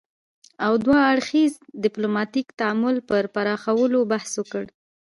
او دوه اړخیز ديپلوماتيک تعامل پر پراخولو بحث وکړ